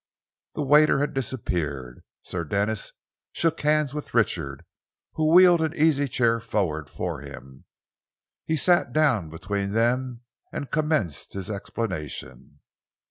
The waiter had disappeared. Sir Denis shook hands with Richard, who wheeled an easy chair forward for him. He sat down between them and commenced his explanation.